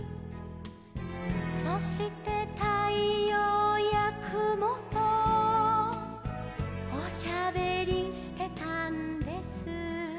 「そしてたいようやくもとおしゃべりしてたんです」